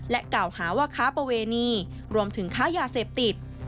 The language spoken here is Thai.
กล่าวหาว่าค้าประเวณีรวมถึงค้ายาเสพติด